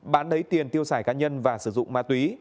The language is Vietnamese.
bán lấy tiền tiêu xài cá nhân và sử dụng ma túy